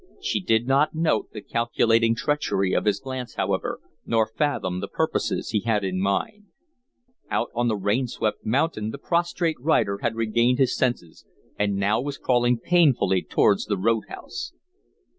She did not note the calculating treachery of his glance, however, nor fathom the purposes he had in mind. Out on the rain swept mountain the prostrate rider had regained his senses and now was crawling painfully towards the road house.